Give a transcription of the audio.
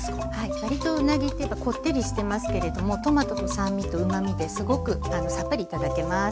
わりとうなぎってやっぱこってりしてますけれどもトマトと酸味とうまみですごくさっぱり頂けます。